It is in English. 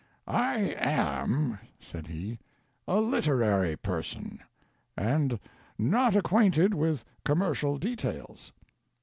"I am," said he, "a literary person and not acquainted with commercial details.